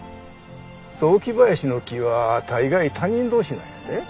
雑木林の木は大概他人同士なんやで。